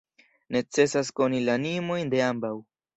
Necesas koni la animojn de ambaŭ.